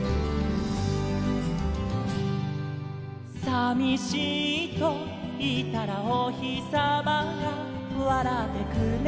「さみしいといったらおひさまがわらってくれた」